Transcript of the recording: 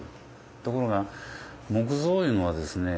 ところが木造いうのはですね